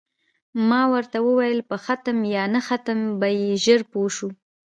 ما ورته وویل: په ختم یا نه ختم به یې ژر پوه شو.